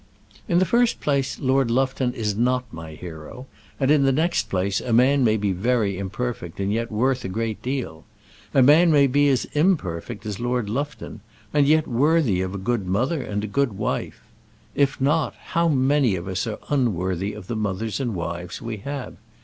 In the first place Lord Lufton is not my hero; and in the next place, a man may be very imperfect and yet worth a great deal. A man may be as imperfect as Lord Lufton, and yet worthy of a good mother and a good wife. If not, how many of us are unworthy of the mothers and wives we have!